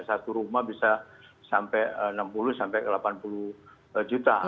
satu rumah bisa sampai enam puluh sampai delapan puluh juta